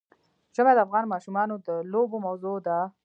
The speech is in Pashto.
ژمی د افغان ماشومانو د لوبو موضوع ده.